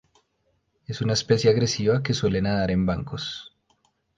Es una especie agresiva que suele nadar en bancos.